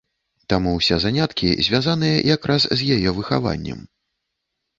Таму ўсе заняткі звязаныя якраз з яе выхаваннем.